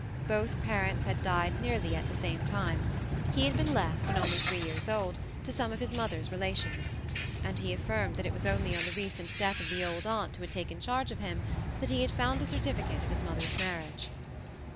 Both parents had died nearly at the same time ; he had been left, when only three years old, to some of his mother's rela tions ; and he affirmed that it was only on the recent death of the old aunt, who had taken oharge of him, that he had found the certificate of his mother's marriage.